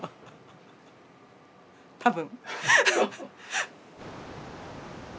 多分。